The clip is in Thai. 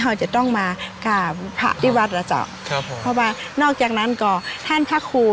เขาจะต้องมากราบพระที่วัดแล้วจ้ะครับผมเพราะว่านอกจากนั้นก็ท่านพระครู